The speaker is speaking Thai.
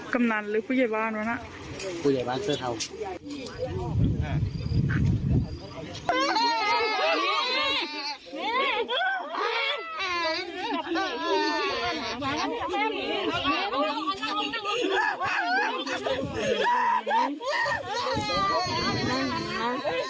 กำนันลึกผู้เย็ดว่ากันน่ะผู้เย็ดว่าเชื้อเทา